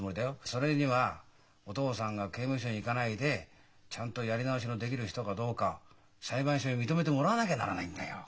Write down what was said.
それにはお父さんが刑務所に行かないでちゃんとやり直しのできる人かどうか裁判所に認めてもらわなきゃならないんだよ。